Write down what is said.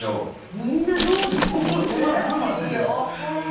みんなどうです？